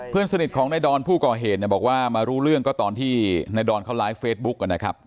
เพื่อนสนิทของนายดอนผู้ก่อเหตุเนี่ยบอกว่ามารู้เรื่องก็ตอนที่ในดอนเขาไลฟ์เฟซบุ๊กนะครับ